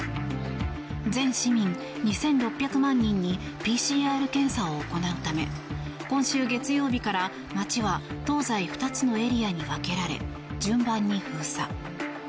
全市民２６００万人にＰＣＲ検査を行うため今週月曜日から街は東西２つのエリアに分けられ順番に封鎖。